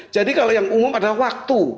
jadi kalau yang umum adalah waktu